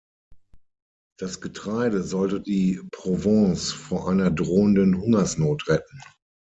Das Getreide sollte die Provence vor einer drohenden Hungersnot retten.